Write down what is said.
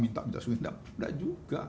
minta minta sudah juga